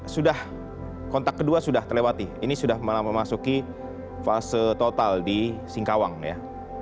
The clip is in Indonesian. sudah kontak kedua sudah terlewati ini sudah memasuki fase total di singkawang ya